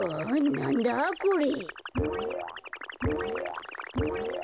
なんだ？これ。